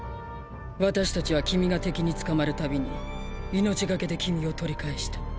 私たちは君が敵に捕まるたびに命懸けで君を取り返した。